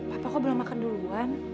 halo apa kamu belum makan dulu